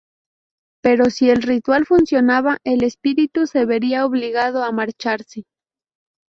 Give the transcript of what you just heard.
Pero si el ritual funcionaba, el espíritu se vería obligado a marcharse.